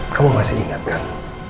kamu masih ingat kan